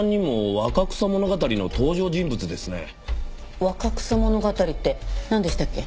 『若草物語』ってなんでしたっけ？